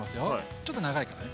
ちょっと長いからね。